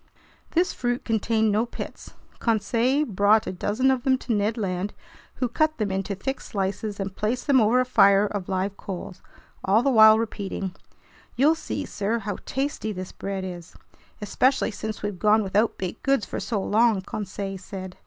This fruit contained no pits. Conseil brought a dozen of them to Ned Land, who cut them into thick slices and placed them over a fire of live coals, all the while repeating: "You'll see, sir, how tasty this bread is!" "Especially since we've gone without baked goods for so long," Conseil said.